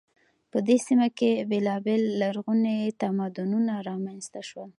په دې سیمه کې بیلابیل لرغوني تمدنونه رامنځته شول.